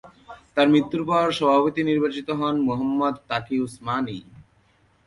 তার মৃত্যুর পর সভাপতি নির্বাচিত হন মুহাম্মদ তাকি উসমানি।